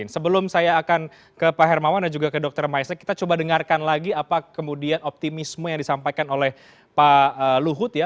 sebelum saya akan ke pak hermawan dan juga ke dr maesek kita coba dengarkan lagi apa kemudian optimisme yang disampaikan oleh pak luhut ya